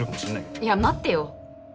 いや待ってよ。